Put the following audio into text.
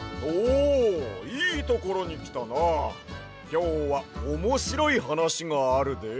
きょうはおもしろいはなしがあるで！